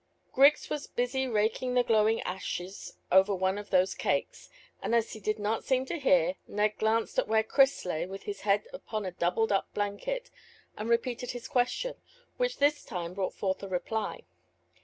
Griggs was busy raking the glowing ashes over one of those cakes, and as he did not seem to hear, Ned glanced at where Chris lay with his head upon a doubled up blanket, and repeated his question, which this time brought forth a reply.